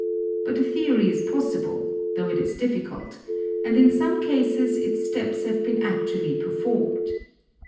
But the theory is possible, though it is AND RELATIVITY 13 difficult, and in some cases its steps have been actually performed.